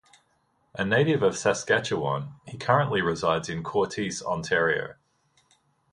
A native of Saskatchewan, he currently resides in Courtice, Ontario.